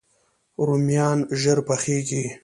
رومیان ژر پخیږي